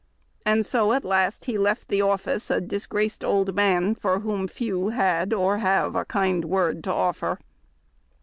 "' And so at last he left the office a disgraced old man. for whom few had or have a kind word to offer.